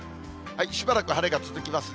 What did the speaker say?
しばらく晴れが続きますね。